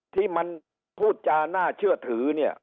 ที่มันพูดจาน่าเชื่อถือเนี่ย